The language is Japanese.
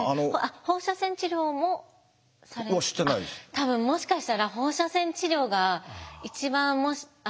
多分もしかしたら放射線治療が一番。